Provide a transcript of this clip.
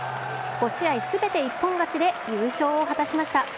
５試合すべて一本勝ちで優勝を果たしました。